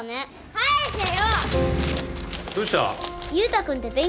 返せよ！